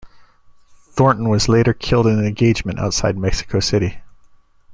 Thornton was later killed in an engagement outside Mexico City.